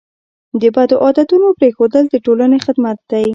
د بد عادتونو پرېښودل د ټولنې خدمت دی.